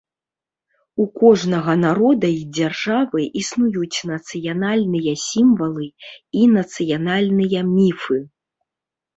У кожнага народа і дзяржавы існуюць нацыянальныя сімвалы і нацыянальныя міфы.